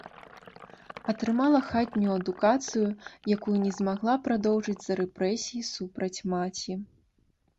Атрымала хатнюю адукацыю, якую не змагла прадоўжыць з-за рэпрэсій супраць маці.